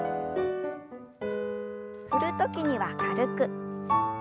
振る時には軽く。